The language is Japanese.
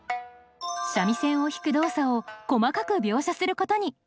三味線を弾く動作を細かく描写することに。